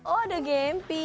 oh ada gempy